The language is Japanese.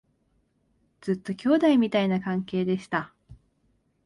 ずっと兄弟みたいな関係でした